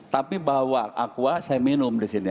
tapi bawa aqua saya minum di sini